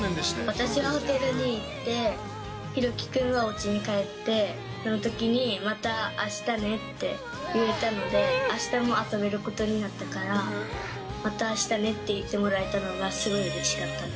私はホテルに行って、ひろき君はおうちに帰って、そのときに、またあしたねって言えたので、あしたも遊べることになったから、またあしたねって言ってもらえたのがすごいうれしかった。